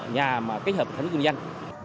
nhà mà kết hợp thành công doanh